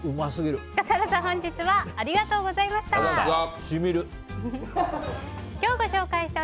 笠原さん、本日はありがとうございました。